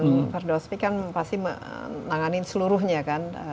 masak masak yang terdospi kan pasti menanganin seluruhnya kan